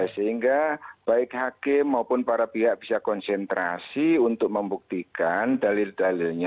sehingga baik hakim maupun para pihak bisa konsentrasi untuk membuktikan dalil dalilnya